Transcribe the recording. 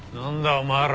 お前らは。